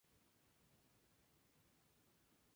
Juega como marcador central y su primer equipo fue Racing.